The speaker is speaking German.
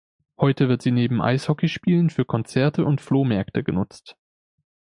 Heute wird sie neben Eishockeyspielen für Konzerte und Flohmärkte genutzt.